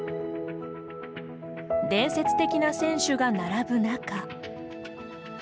伝説的な選手が並ぶ中。